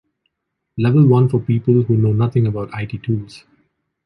Level one for people who know nothing about IT tools.